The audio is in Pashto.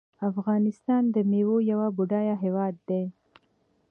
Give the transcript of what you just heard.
افغانستان د میوو یو بډایه هیواد دی.